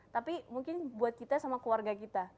tapi mungkin buat kita sama keluarga kita